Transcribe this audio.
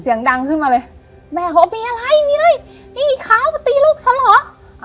เสียงดังขึ้นมาเลยแม่บอกว่ามีอะไรมีอะไรนี่ขาวมาตีลูกฉันเหรอ